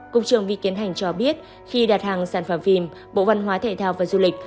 cục trường vi tiến hành cho biết khi đặt hàng sản phẩm phim bộ văn hóa thể thao và du lịch